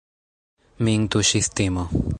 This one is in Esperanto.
Min tuŝis timo.